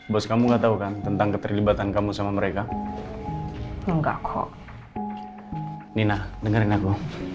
bos kamu gak tau kan tentang keterlibatan kamu sama mereka kok nina dengerin aku